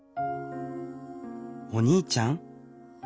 「お兄ちゃん？」